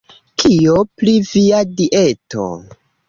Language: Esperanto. Kio pri via dieto?